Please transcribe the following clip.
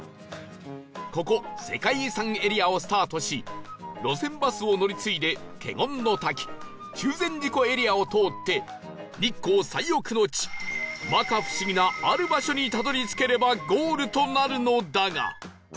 ここ世界遺産エリアをスタートし路線バスを乗り継いで華厳の滝中禅寺湖エリアを通って日光最奥の地摩訶不思議なある場所にたどり着ければゴールとなるのだが